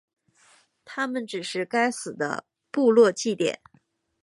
它们只是该死的部落祭典。